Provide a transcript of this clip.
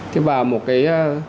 thế và một cái